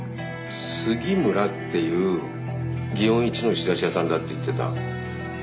すぎむらっていう祇園一の仕出し屋さんだって言ってた。